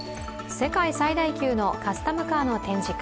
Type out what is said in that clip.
世界最大級のカスタムカーの展示会